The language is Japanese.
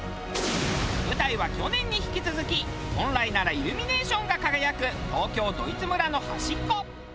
舞台は去年に引き続き本来ならイルミネーションが輝く東京ドイツ村の端っこ。